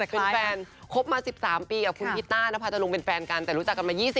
เป็นแฟนคบมา๑๓ปีกับคุณพิตต้านภาจรงเป็นแฟนกันแต่รู้จักกันมา๒๐